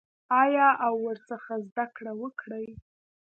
آیا او ورڅخه زده کړه وکړي؟